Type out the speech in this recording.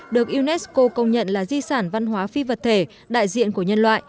được unesco công nhận là di sản văn hóa phi vật thể đại diện của nhân loại